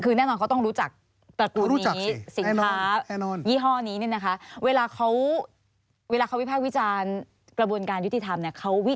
คือแน่นอนเขาต้องรู้จักตระตูนนี้